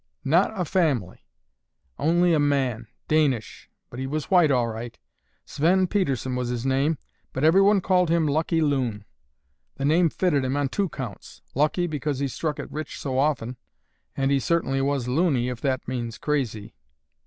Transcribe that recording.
"Not a family. Only a man, Danish, but he was white all right. Sven Pedersen was his name but everyone called him 'Lucky Loon.' The name fitted him on two counts. Lucky because he struck it rich so often, and he certainly was 'loony' if that means crazy."